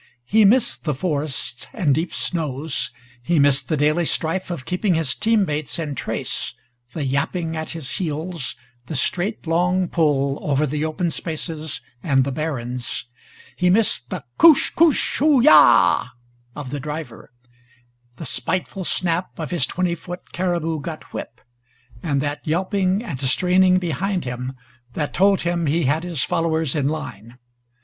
He missed the forests and deep snows. He missed the daily strife of keeping his team mates in trace, the yapping at his heels, the straight long pull over the open spaces and the barrens. He missed the "Koosh koosh Hoo yah!" of the driver, the spiteful snap of his twenty foot caribou gut whip, and that yelping and straining behind him that told him he had his followers in line.